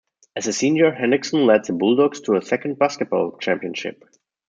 As a senior, Hendrickson led the Bulldogs to a second basketball championship.